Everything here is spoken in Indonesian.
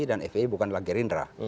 dan fpi bukanlah gerindra